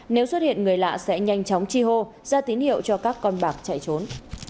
nếu xuất hiện người lạ sẽ nhanh chóng chi hô ra tín hiệu cho các con bạc chạy trốn